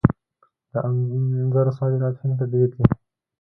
د انځرو صادرات هند ته ډیر دي.